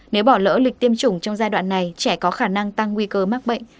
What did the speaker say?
nếu bỏ lỡ lịch tiêm chủng trong giai đoạn này trẻ có khả năng tăng nguy cơ mắc bệnh